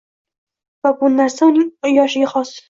va bu narsa uning yoshiga xos.